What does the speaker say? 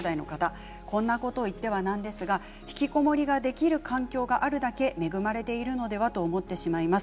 こんなことを言ってはなんですがひきこもりができる環境があるだけ恵まれているのではと思ってしまいます。